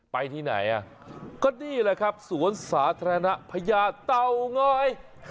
ไปที่ไหนอ่ะก็นี่แหละครับสวนสาธารณะพญาเตาง้อย